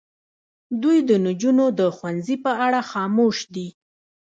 دوی د نجونو د ښوونځي په اړه خاموش دي.